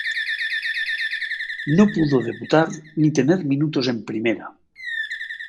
No pudo debutar ni tener minutos en primera.